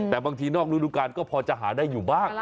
แต่บางทีนอกฤดูการก็พอจะหาได้อยู่บ้าง